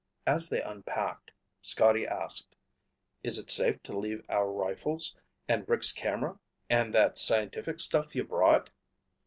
As they unpacked, Scotty asked, "Is it safe to leave our rifles, and Rick's camera and that scientific stuff you brought?"